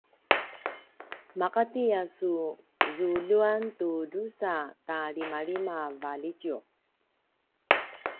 maqati a su zuljuan tu drusa ta limalima valjitjuq